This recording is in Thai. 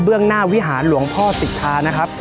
เรื่องหน้าวิหารหลวงพ่อสิทธานะครับ